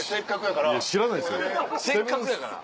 せっかくやから？